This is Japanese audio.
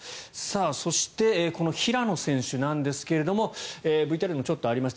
そしてこの平野選手なんですけれどもＶＴＲにもちょっとありました。